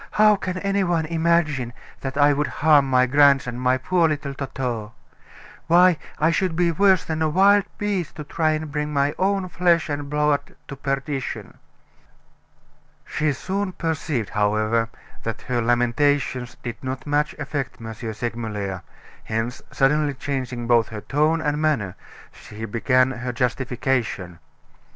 "How can any one imagine that I would harm my grandson, my poor little Toto! Why, I should be worse than a wild beast to try and bring my own flesh and blood to perdition." She soon perceived, however, that her lamentations did not much affect M. Segmuller, hence, suddenly changing both her tone and manner, she began her justification.